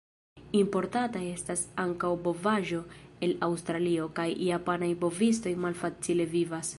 Importata estas ankaŭ bovaĵo el Aŭstralio, kaj japanaj bovistoj malfacile vivas.